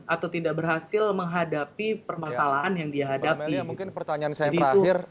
atau tidak berhasil menghadapi permasalahan yang dihadapi